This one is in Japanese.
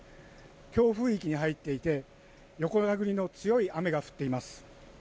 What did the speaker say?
強風域に入っていて横殴りの強い雨が降っています